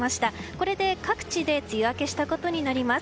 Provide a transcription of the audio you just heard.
これで各地梅雨明けしたことになります。